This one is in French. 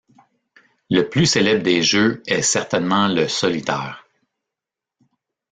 Le plus célèbre des jeux est certainement le Solitaire.